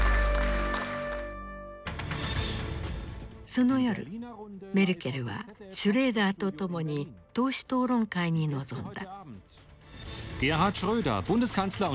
その夜メルケルはシュレーダーと共に党首討論会に臨んだ。